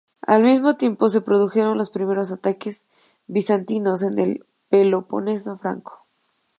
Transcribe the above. Al mismo tiempo, se produjeron los primeros ataques bizantinos en el Peloponeso franco.